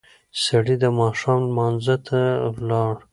سړی د ماښام لمانځه ته ولاړ.